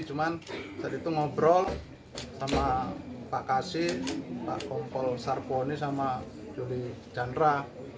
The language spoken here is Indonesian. cuma saat itu ngobrol sama pak kasi pak kompol sarponi sama juli chandra